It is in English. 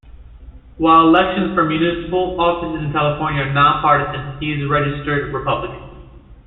While elections for municipal offices in California are non-partisan, he is a registered Republican.